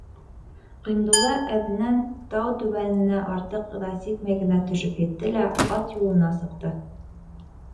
Ғиндулла әҙенән тау түбәненә артыҡ ыҙа сикмәй генә төшөп етте лә ат юлына сыҡты.